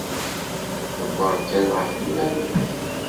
Ḍebber kan ɣef yiman-ik.